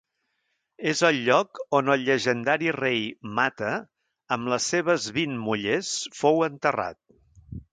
És el lloc on el llegendari rei Mata, amb les seves vint mullers, fou enterrat.